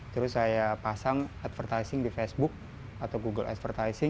terus saya pasang advertising di facebook atau google advertising